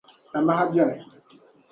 Tamaha beni.